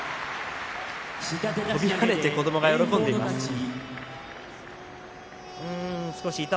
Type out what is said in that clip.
跳びはねて子どもが喜んでいました。